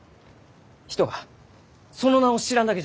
人がその名を知らんだけじゃ。